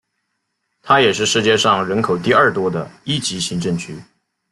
它也是世界上人口第二多的一级行政区。